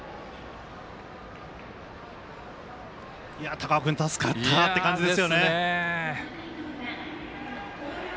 高尾君助かったっていう感じですよね。